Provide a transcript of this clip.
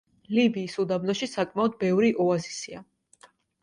ლიბიის უდაბნოში საკმაოდ ბევრი ოაზისია.